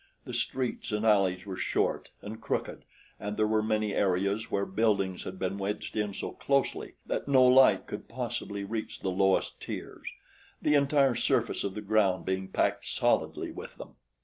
The streets and alleys were short and crooked and there were many areas where buildings had been wedged in so closely that no light could possibly reach the lowest tiers, the entire surface of the ground being packed solidly with them.